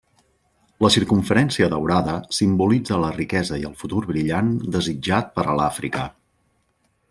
La circumferència daurada simbolitza la riquesa i el futur brillant desitjat per a l'Àfrica.